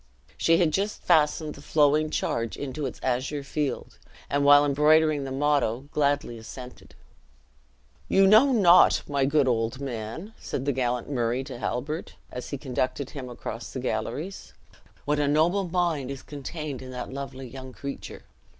She had just fastened the flowing charge into its azure field, and while embroidering the motto, gladly assented. "You know not, my good old man," said the gallant Murray to Halbert, as he conducted him across the galleries, "what a noble mind is contained in that lovely young creature.